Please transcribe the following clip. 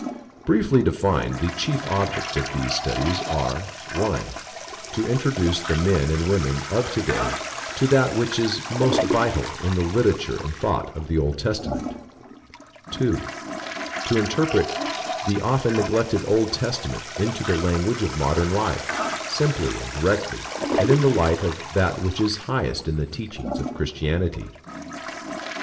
Briefly defined the chief objects of these studies are: (1) To introduce the men and women of to day to that which is most vital in the literature and thought of the Old Testament. (2) To interpret the often neglected Old Testament into the language of modern life simply and directly and in the light of that which is highest in the teachings of Christianity.